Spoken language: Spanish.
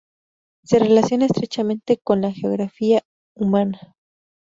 Se relaciona estrechamente con la geografía humana.